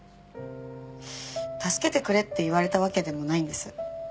「助けてくれ」って言われたわけでもないんです。